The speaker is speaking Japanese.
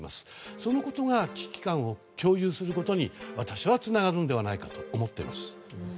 そのことが危機感を共有することに私はつながるのではないかと思っています。